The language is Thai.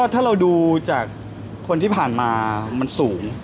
ถ้าเราดูจากคนที่ผ่านมามันสูง